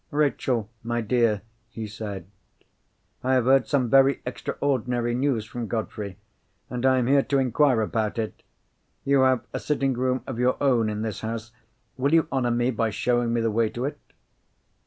"Rachel, my dear," he said, "I have heard some very extraordinary news from Godfrey. And I am here to inquire about it. You have a sitting room of your own in this house. Will you honour me by showing me the way to it?"